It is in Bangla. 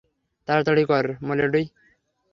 তাড়াতাড়ি কর, মেলোডি।